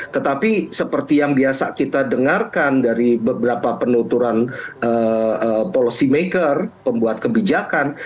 tetapi seperti yang biasa kita dengarkan dari beberapa penuturan policy maker pembuat kebijakan